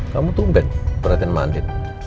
kamu tumpet berantem sama andin